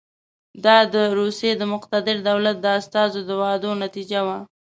دا د روسیې د مقتدر دولت د استازو د وعدو نتیجه وه.